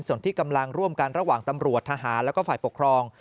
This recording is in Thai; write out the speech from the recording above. ส่วนที่กำลังร่วมกันระหว่างตำรวจทหารแล้วก็ฝ่ายปกครอง